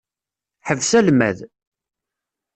Ḥbes almad!